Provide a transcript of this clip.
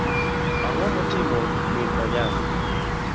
Ang'o motimo mim Onyango.